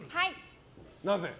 なぜ？